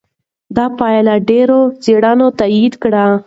دا پایله ډېرو څېړنو تایید کړه.